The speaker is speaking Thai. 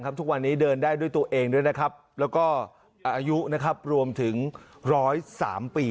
ทุกวันนี้เดินได้ด้วยตัวเองด้วยนะครับแล้วก็อายุรวมถึง๑๐๓ปี